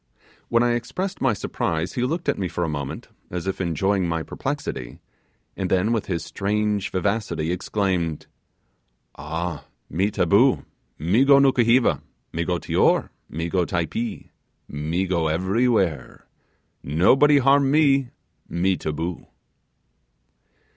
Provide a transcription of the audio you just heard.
When I expressed my surprise, he looked at me for a moment, as if enjoying my perplexity, and then with his strange vivacity, exclaimed, 'Ah! Me taboo, me go Nukuheva, me go Tior, me go Typee, me go everywhere, nobody harm me, me taboo.